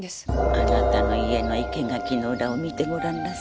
あなたの家の生け垣の裏を見てごらんなさい。